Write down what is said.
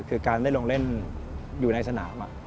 คือการได้ลงเล่นอยู่ในสนาม